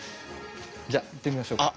じゃあ行ってみましょうか。